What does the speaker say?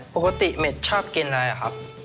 ปกติเม็ดชอบกินอะไรอะครับ